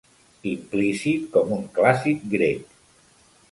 Implícit com un clàssic grec.